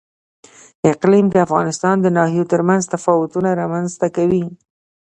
اقلیم د افغانستان د ناحیو ترمنځ تفاوتونه رامنځ ته کوي.